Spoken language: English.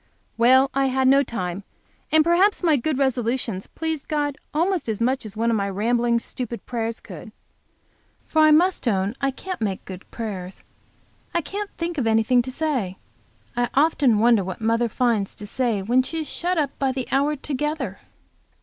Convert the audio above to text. Well, I had not time. And perhaps my good resolutions pleased God almost as much as one of my rambling stupid prayers could. For I must own I can't make good prayers. I can't think of anything to say. I often wonder what mother finds to say when she is shut up by the hour together.